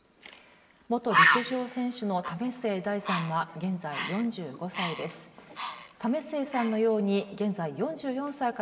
元陸上選手の為末大さんは現在４５歳です。